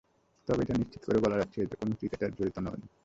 তবে এটা নিশ্চিত করে বলা যাচ্ছে, এতে কোনো ক্রিকেটার জড়িত নন।